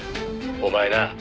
「お前な」